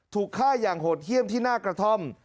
ถูกฆ่าอย่างโหดเยี่ยมที่หน้ากระท่อม